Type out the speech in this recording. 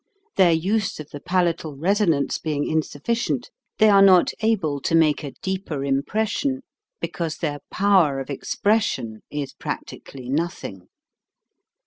Their use of the palatal resonance being in sufficient, they are not able to make a deeper impression, because their power of expression is practically nothing.